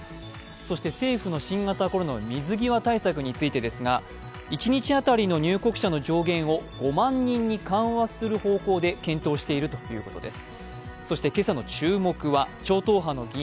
そして政府の新型コロナの水際対策についてですが、一日当たりの入国者の上限を５万人に緩和する方向で検討しているということです。